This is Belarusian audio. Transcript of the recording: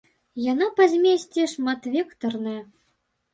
Яна па змесце шматвектарная!